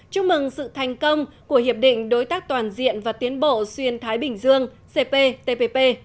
chúc mừng sự thành công của hiệp định đối tác toàn diện và tiến bộ xuyên thái bình dương cptpp